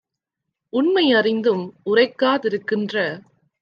உண்மை யறிந்தும் உரைக்கா திருக்கின்ற